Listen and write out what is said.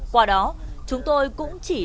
qua đó chúng tôi cũng chỉ dành